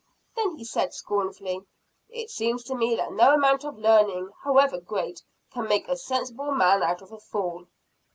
Then he said scornfully, "It seems to me that no amount of learning, however great, can make a sensible man out of a fool."